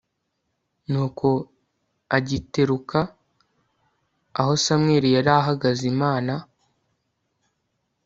Nuko agiteruka aho Samweli yari ahagaze Imana